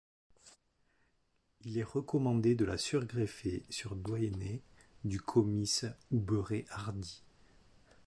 Il est recommandé de la surgreffer sur Doyenné du Comice ou Beurré Hardy.